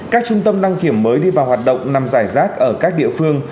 các trung tâm đăng kiểm mới đi vào hoạt động nằm giải rác ở các địa phương